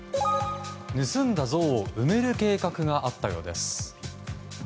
盗んだ像を埋める計画があったようです。